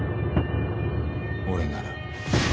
俺なら。